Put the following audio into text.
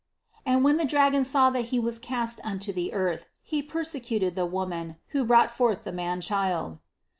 "And when the dragon saw that he was cast unto the earth, he persecuted the Woman, who brought forth the Man child."